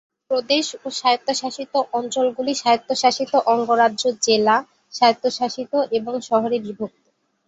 প্রদেশ ও স্বায়ত্তশাসিত অঞ্চলগুলি স্বায়ত্তশাসিত অঙ্গরাজ্য জেলা, স্বায়ত্তশাসিত এবং শহরে বিভক্ত।